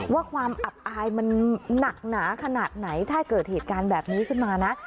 ว่าความอับอายมันหนักหนาขนาดไหนถ้าเกิดเหตุการณ์แบบนี้ขึ้นมานะ